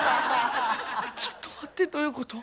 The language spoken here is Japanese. ちょっと待ってどういうこと？